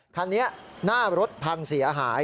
คันนี้หน้ารถพังเสียหาย